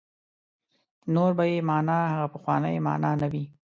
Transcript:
نور به یې معنا هغه پخوانۍ معنا نه وي.